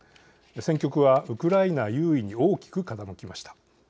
戦局はウクライナ優位に大きく傾きました。